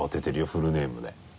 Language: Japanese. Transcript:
フルネームで。